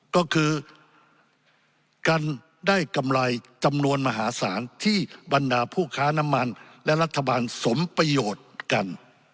ก็คือการได้กำไรจำนวนมหาศาลที่บรรดาผู้ค้าน้ำมันและรัฐบาลสมประโยชน์กัน